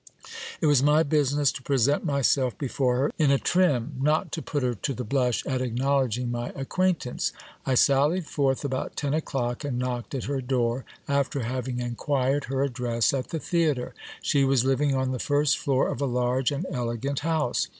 It was my business to present myself before her in a trim, not to put her to the blush at acknowledging my acquaintance. I sallied forth about ten o'clock, and knocked at her door, after having inquired her address at the theatre. She was living on the first floor of a large and elegant house.